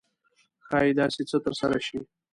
ښایي داسې څه ترسره شي.